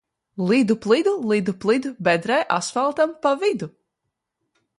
Lidu plidu, lidu plidu, bedrē asfaltam pa vidu!